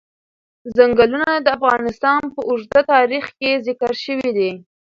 ځنګلونه د افغانستان په اوږده تاریخ کې ذکر شوی دی.